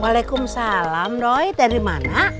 waalaikumsalam doi dari mana